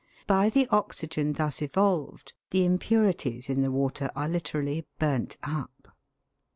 By the oxygen thus evolved the impurities in the water are literally burnt up.